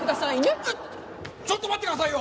えっちょっと待ってくださいよ！